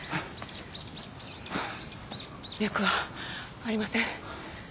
脈はありません。